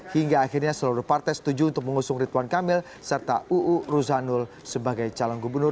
hingga akhirnya seluruh partai setuju untuk mengusung ridwan kamil serta uu ruzanul sebagai calon gubernur